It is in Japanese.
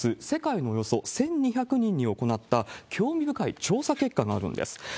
世界のおよそ１２００人に行った、興味深い調査結果があるんです。